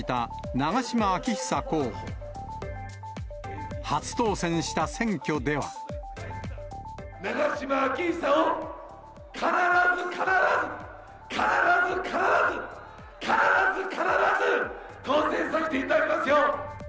長島昭久を必ず必ず、必ず必ず、必ず必ず、当選させていただけますよう。